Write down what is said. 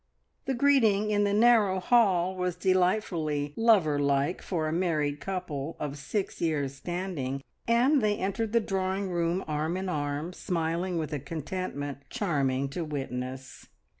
The greeting in the narrow hall was delightfully lover like for a married couple of six years' standing, and they entered the drawing room arm in arm, smiling with a contentment charming to witness.